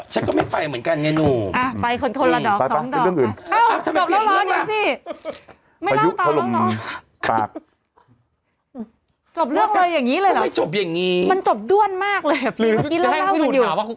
ฉันก็ไม่ไปเหมือนกันไงหนู